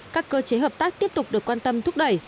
các cơ chế hợp tác tiếp tục được quan tâm thúc đẩy